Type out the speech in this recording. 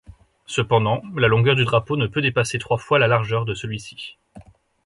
Cependant, la longueur du drapeau ne peut dépasser trois fois la largeur de celui-ci.